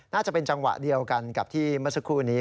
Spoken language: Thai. น่าจะเป็นจังหวะเดียวกันกับที่เมื่อสักครู่นี้